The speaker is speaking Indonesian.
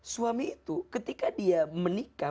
suami itu ketika dia menikah